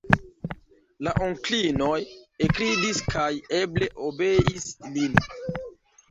La onklinoj ekridis kaj eble obeis lin.